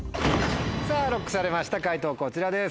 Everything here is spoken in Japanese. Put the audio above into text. さぁＬＯＣＫされました解答こちらです。